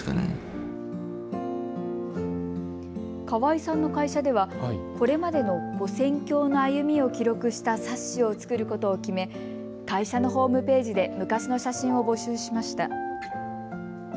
川井さんの会社ではこれまでのこ線橋の歩みを記録した冊子を作ることを決め会社のホームページで昔の写真を募集しました。